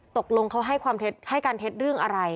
ตกลงเขาให้ความเท็จให้การเท็จเรื่องอะไร